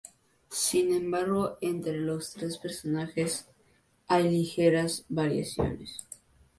Sin embargo, entre los tres personajes hay ligeras variaciones.